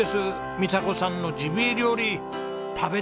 美佐子さんのジビエ料理食べてみたい！